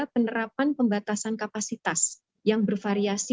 penerapan pembatasan kapasitas yang bervariasi